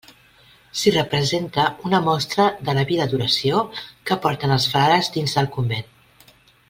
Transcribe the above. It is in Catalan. S'hi representa una mostra de la vida d'oració que porten els frares dins del convent.